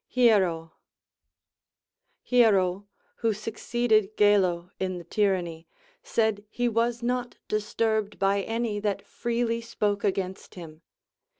HiERO. Hiero, who succeeded Gelo in the tyranny, said he was not disturbed by any that freely spoke against him.